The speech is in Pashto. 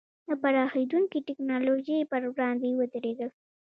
د پراخېدونکې ټکنالوژۍ پر وړاندې ودرېدل.